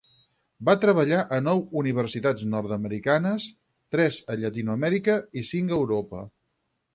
Va treballar a nou universitats nord-americanes, tres a Llatinoamèrica i cinc a Europa.